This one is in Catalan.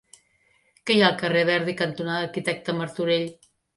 Què hi ha al carrer Verdi cantonada Arquitecte Martorell?